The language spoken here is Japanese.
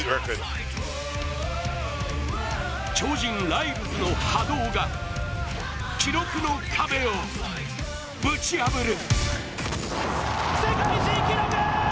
超人ライルズの波動が記録の壁をぶち破る。